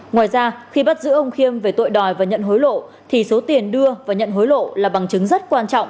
ngoài ra khi bắt giữ ông khiêm về tội đòi và nhận hối lộ thì số tiền đưa và nhận hối lộ là bằng chứng rất quan trọng